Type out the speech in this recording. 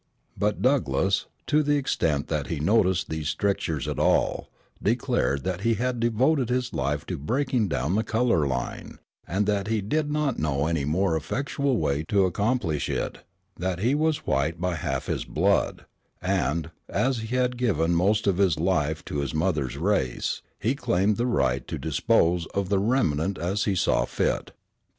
But Douglass, to the extent that he noticed these strictures at all, declared that he had devoted his life to breaking down the color line, and that he did not know any more effectual way to accomplish it; that he was white by half his blood, and, as he had given most of his life to his mothers race, he claimed the right to dispose of the remnant as he saw fit.